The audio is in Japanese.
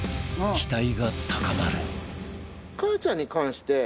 期待が高まる